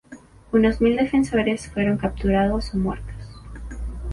Unos mil defensores fueron capturados o muertos.